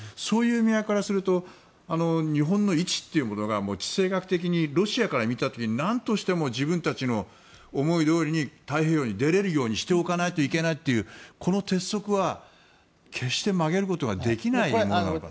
そういう意味合いからすると日本の位置というものが地政学的にロシアから見た時に何としても自分たちの思いどおりに太平洋に出れるようにしておかないといけないというこの鉄則は決して曲げることができないものかなと。